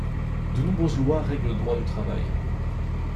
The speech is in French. De nombreuses lois règlent le Droit du travail.